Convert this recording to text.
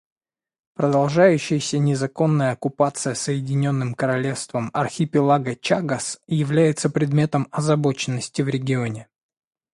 Продолжающаяся незаконная оккупация Соединенным Королевством архипелага Чагос является предметом озабоченности в регионе.